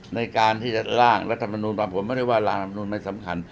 ในการที่จะล่างรัฐมนุนมาผมไม่ได้ว่าร่างรัฐมนุนไม่สำคัญ